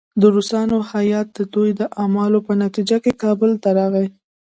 د روسانو هیات د دوی د اعمالو په نتیجه کې کابل ته راغی.